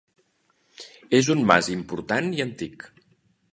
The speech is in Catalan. És un mas important i antic.